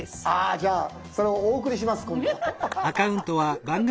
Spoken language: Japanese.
じゃあそれをお贈りします今度。